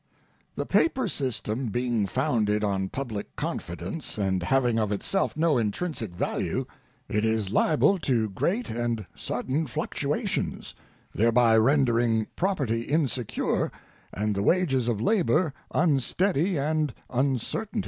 The paper system being founded on public confidence and having of itself no intrinsic value, it is liable to great and sudden fluctuations, thereby rendering property insecure and the wages of labor unsteady and uncertain.